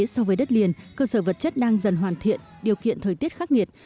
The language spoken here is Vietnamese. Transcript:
so với đất liền cơ sở vật chất đang dần hoàn thiện điều kiện thời tiết khắc nghiệt